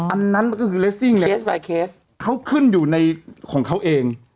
อันนั้นก็คือลิสซิ่งเนี่ยเขาขึ้นอยู่ในของเขาเอง